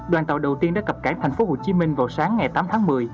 đoàn tàu đầu tiên đã cập cảng tp hcm vào sáng ngày tám tháng một mươi